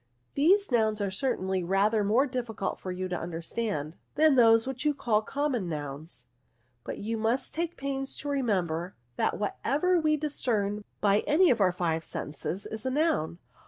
These nouns are certainly rather more difficult for you to understand, than those which you call common nouns; but you must take pains to remember, that what ever we discern by any of our five senses is a noun."